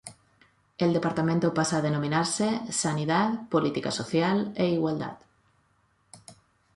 El Departamento pasa a denominarse Sanidad, Política Social e Igualdad.